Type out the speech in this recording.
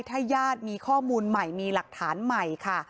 ถ้าญาติมีข้อมูลใหม่มีหลักฐานใหม่ค่ะ